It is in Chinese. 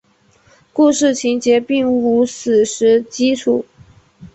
故事情节并无史实基础。